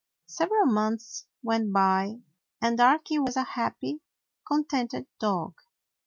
Several months went by, and Darky was a happy, contented dog.